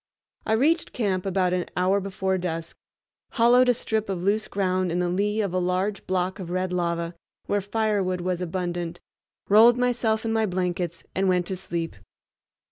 I reached camp about an hour before dusk, hollowed a strip of loose ground in the lee of a large block of red lava, where firewood was abundant, rolled myself in my blankets, and went to sleep.